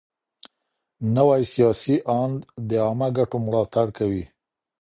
نوی سياسي آند د عامه ګټو ملاتړ کوي.